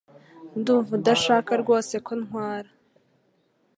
Ndumva udashaka rwose ko ntwara